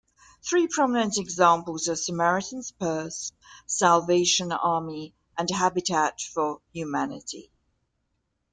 Three prominent examples are Samaritan's Purse, Salvation Army, and Habitat for Humanity.